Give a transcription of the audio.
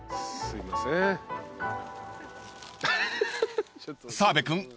すいません。